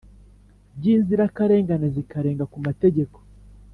by'inzirakarengane zikarenga ku mategeko